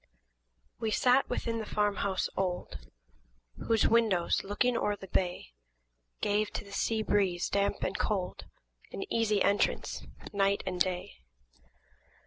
WE sat within the farm house old, Whose windows, looking o'er the bay, Gave to the sea breeze, damp and cold, An easy entrance, night and day.